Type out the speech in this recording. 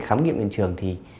khám nghiệm hiện trường